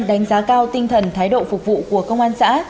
đánh giá cao tinh thần thái độ phục vụ của công an xã